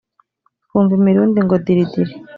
twumva imirundi ngo diridiri